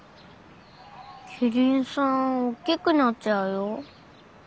キリンさん大きくなっちゃうよ。